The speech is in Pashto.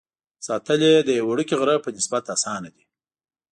ساتل یې د یوه وړوکي غره په نسبت اسانه دي.